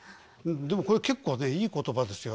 でもこれ結構ねいい言葉ですよ。